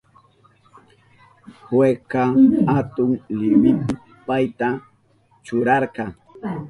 Jueska atun liwipi payta churarka.